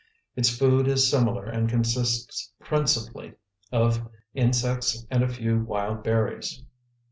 Its food is similar and consists principally of insects and a few wild berries.